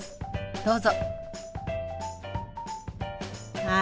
どうぞ。